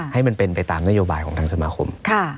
ให้มันเป็นไปตามนโยบายของทางสมาคม